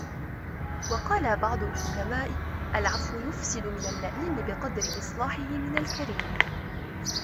وَقَالَ بَعْضُ الْحُكَمَاءِ الْعَفْوُ يُفْسِدُ مِنْ اللَّئِيمِ بِقَدْرِ إصْلَاحِهِ مِنْ الْكَرِيمِ